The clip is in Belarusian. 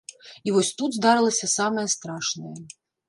І вось тут здарылася самае страшнае.